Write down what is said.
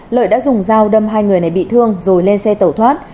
lợi đã dùng dao đâm hai người này bị thương rồi lên xe tẩu thoát